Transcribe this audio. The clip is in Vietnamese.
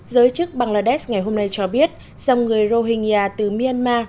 giới chức bangladesh ngày hôm nay cho biết dòng người rohenia từ myanmar